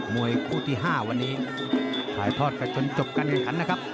มวยคู่ที่๕วันนี้ถ่ายทอดกันจนจบการแข่งขันนะครับ